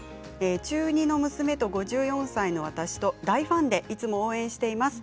中２の娘と５４歳の私と大ファンでいつも応援しています。